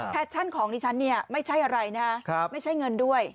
ชั่นของดิฉันเนี่ยไม่ใช่อะไรนะไม่ใช่เงินด้วย